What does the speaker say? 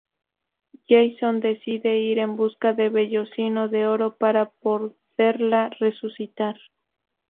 Jasón, decide ir en busca del vellocino de oro para poderla resucitar.